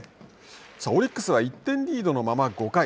オリックスは１点リードのまま５回。